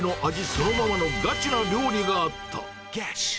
そのままのガチな料理があった。